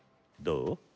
どう？